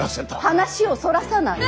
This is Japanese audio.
話をそらさない！